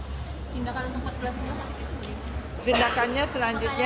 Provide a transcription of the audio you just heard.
jadi tindakannya selanjutnya